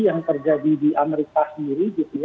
yang terjadi di amerika sendiri